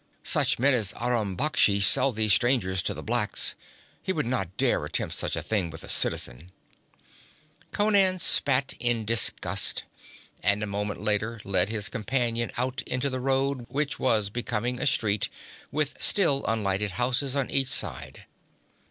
'Such men as Aram Baksh sell these strangers to the blacks. He would not dare attempt such a thing with a citizen.' Conan spat in disgust, and a moment later led his companion out into the road which was becoming a street, with still, unlighted houses on each side.